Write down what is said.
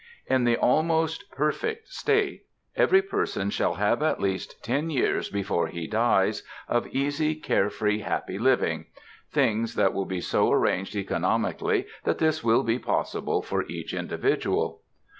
In the Almost Perfect State every person shall have at least ten years before he dies of easy, carefree, happy living ... things will be so arranged economically that this will be possible for each individual.